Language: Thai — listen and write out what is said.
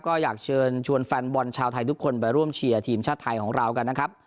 ก็อยากเชิญชวนแฟนบอลชาวไทยทุกคนไปร่วมเชียร์ทีมชาติไทยของเรากันนะครับ